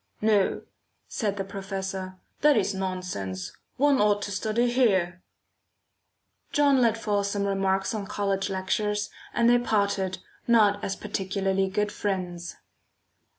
"No," said the professor, "that is nonsense; one ought to study here." John let fall some remarks on college lectures, and they parted, not as particularly good friends.